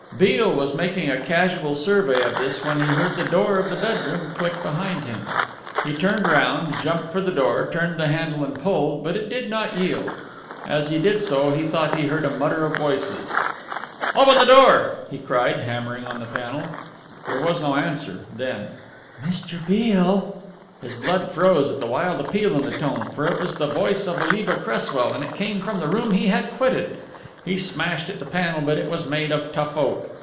Beale was making a casual survey of this when he heard the door of the bedroom click behind him. He turned round, jumped for the door, turned the handle and pulled, but it did not yield. As he did so he thought he heard a mutter of voices. "Open the door!" he cried, hammering on the panel. There was no answer. Then: "Mr. Beale!" His blood froze at the wild appeal in the tone, for it was the voice of Oliva Cresswell, and it came from the room he had quitted. He smashed at the panel but it was made of tough oak.